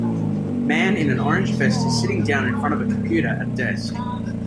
Man in an orange vest is sitting down in front of a computer at a desk.